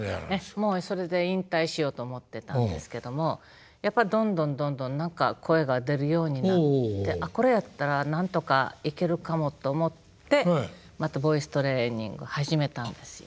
もうそれで引退しようと思ってたんですけどもやっぱどんどんどんどん何か声が出るようになってこれやったらなんとかいけるかもと思ってまたボイストレーニング始めたんですよ。